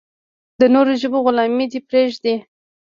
د نورو ژبو غلامي دې پرېږدي.